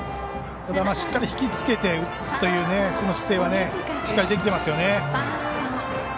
しっかり引きつけて打つという姿勢はしっかりできてますよね。